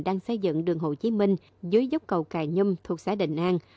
đang xây dựng đường hồ chí minh dưới dốc cầu cài nhâm thuộc xã định an